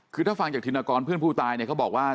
คือถ้าฟังจากธินกรเพื่อนผู้ตายเนี่ยเขาบอกว่า